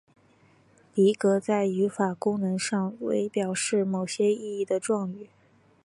离格在语法功能上为表示某些意义的状语。